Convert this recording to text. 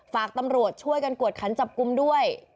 ฝากตำรวจช่วยกันกวดขันจับกลุ่มด้วย